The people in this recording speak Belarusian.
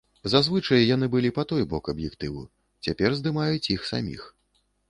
Зазвычай яны былі па той бок аб'ектыву, цяпер здымаюць іх саміх.